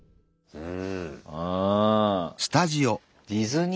うん。